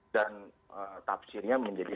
dan tafsirnya menjadi